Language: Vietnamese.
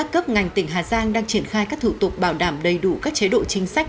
đồng chí đã triển khai các thủ tục bảo đảm đầy đủ các chế độ chính sách